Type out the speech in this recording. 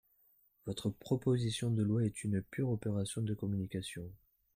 Votre proposition de loi est une pure opération de communication.